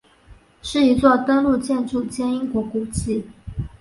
是一座登录建筑兼英国古迹。